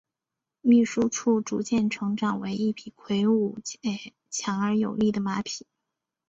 秘书处逐渐成长为一匹魁伟且强而有力的马匹。